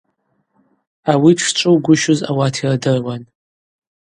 Ауи дшчӏвыугвыщуз ауат йырдыруан.